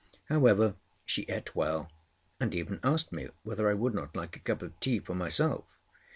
However, she ate well, and even asked me whether I would not like a cup of tea for myself.